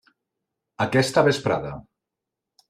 Aquesta vesprada.